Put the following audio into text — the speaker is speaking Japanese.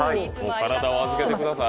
体を預けてください。